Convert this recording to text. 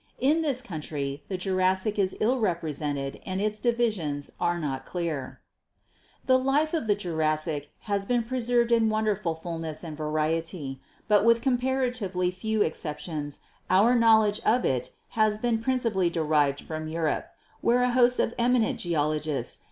In this country the Jurassic is ill represented and its divisions are not clear. "The life of the Jurassic has been preserved in wonder ful fulness and variety; but with comparatively few ex ceptions our knowledge of it has been principally derived from Europe, where a host of eminent geologists have Fig.